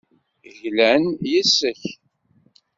Glan yes-k.